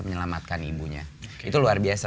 menyelamatkan ibunya itu luar biasa